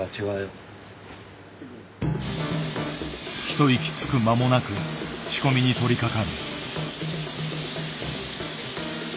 一息つく間もなく仕込みに取りかかる。